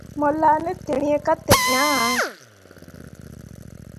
Mo laa ne tǝrîi ka te ŋaa ah.